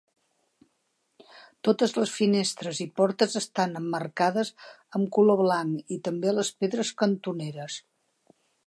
Totes les finestres i portes estan emmarcades amb color blanc i també les pedres cantoneres.